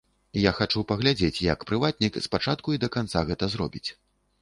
Я хачу паглядзець, як прыватнік з пачатку да канца гэта зробіць.